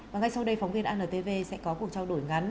và ngay sau đây phóng viên antv sẽ có cuộc trao đổi ngắn